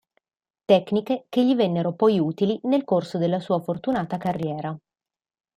Tecniche che gli vennero poi utili nel corso della sua fortunata carriera.